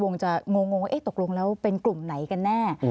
คงจะงงว่าตกลงแล้วเป็นกลุ่มไหนกันแน่